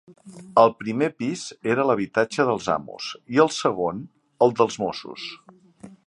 El primer pis era l'habitatge dels amos i el segon el dels mossos.